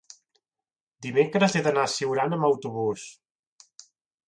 dimecres he d'anar a Siurana amb autobús.